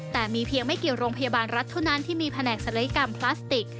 แต่มีเพียงไม่กี่โรงพยาบาลรัฐเท่านั้นที่มีแผนกศัลยกรรมพลาสติก